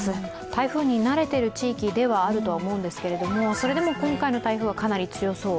台風に慣れている地域ではあると思うんですけれどもそれでも今回の台風はかなり強そう。